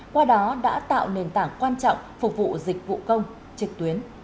qua đó đã tạo nền tảng quan trọng phục vụ dịch vụ công trực tuyến